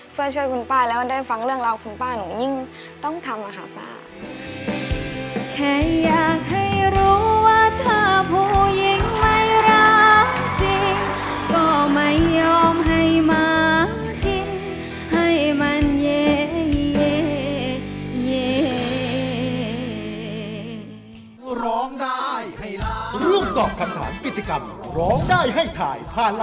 เพื่อช่วยคุณป้าแล้วได้ฟังเรื่องราวคุณป้าหนูยิ่งต้องทำค่ะป้า